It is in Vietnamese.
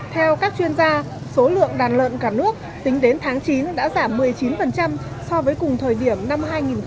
theo các chuyên gia số lượng đàn lợn cả nước tính đến tháng chín đã giảm một mươi chín so với cùng thời điểm năm hai nghìn một mươi tám